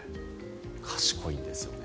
賢いんですよね。